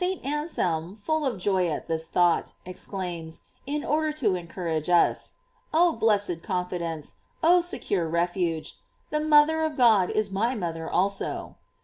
* And St. Anselm full of joy at this thought, exclaims, in order to encourage us: Oh, blessed confidence! Oh, secure refuge! The mother of God is my mother also.